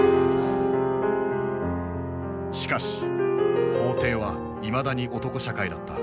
しかし法廷はいまだに男社会だった。